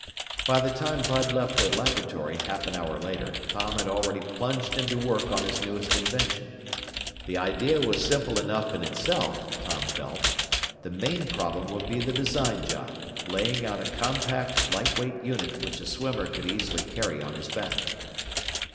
By the time Bud left the laboratory half an hour later, Tom had already plunged into work on his newest invention. The idea was simple enough in itself, Tom felt. The main problem would be the design job laying out a compact, lightweight unit which a swimmer could easily carry on his back.